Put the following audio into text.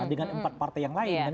dengan empat partai yang lain